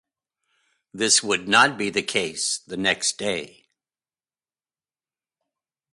This would not be the case the next day.